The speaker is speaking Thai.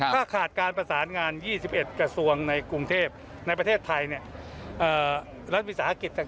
ถ้าขาดการประสานงาน๒๑กระทรวงในกรุงเทพในประเทศไทยรัฐวิสาหกิจต่าง